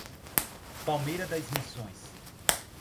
Palmeira das Missões